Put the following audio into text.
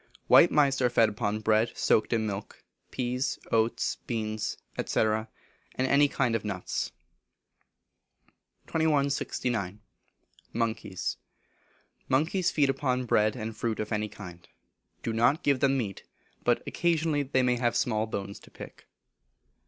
White Mice are fed upon bread soaked in milk, peas, oats, beans, &c., and any kind of nuts. 2169. Monkeys. Monkeys feed upon bread, and fruit of any kind. Do not give them meat, but occasionally they may I have small bones to pick.